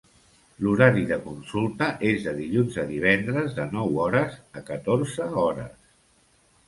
L'horari de consulta és de dilluns a divendres de nou hores a catorze hores.